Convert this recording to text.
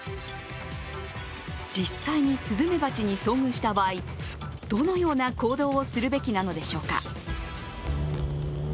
実際にすずめばちに遭遇した場合、どのような行動をするべきなのでしょうか。